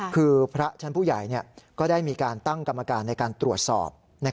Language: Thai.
คือพระชั้นผู้ใหญ่ก็ได้มีการตั้งกรรมการในการตรวจสอบ